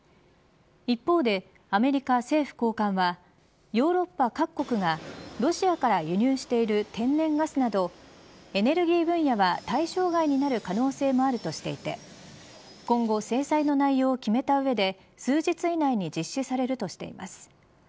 一方で、アメリカ政府高官はヨーロッパ各国がロシアから輸入している天然ガスなどエネルギー分野は対象外になる可能性もあるとしていて今後、制裁の内容を決めた上で数日以内に実施されるとしています。